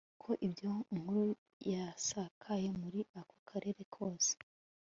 ko iyo nkuru yasakaye muri ako karere kose